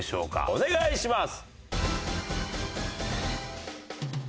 お願いします。